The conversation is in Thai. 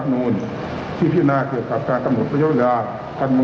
นอกจากนี้สามประชุมการกระชุม